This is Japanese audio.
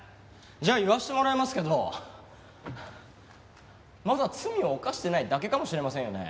じゃあ言わせてもらいますけどまだ罪を犯してないだけかもしれませんよね？